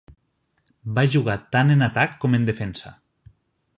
Va jugar tant en atac com en defensa.